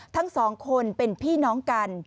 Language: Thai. ทั้งสองคนเป็นพี่น้องกัน